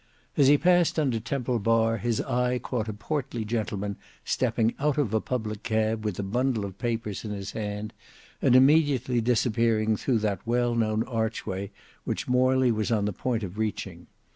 As he passed under Temple Bar his eye caught a portly gentleman stepping out of a public cab with a bundle of papers in his hand, and immediately disappearing through that well known archway which Morley was on the point of reaching.